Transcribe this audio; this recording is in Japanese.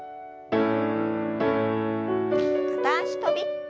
片脚跳び。